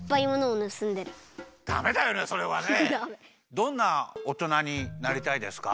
どんなおとなになりたいですか？